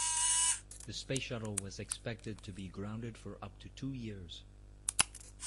The Space Shuttle was expected to be grounded for up to two years.